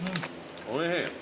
おいしい。